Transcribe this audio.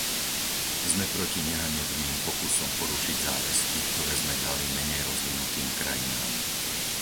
Sme proti nehanebným pokusom porušiť záväzky, ktoré sme dali menej rozvinutým krajinám.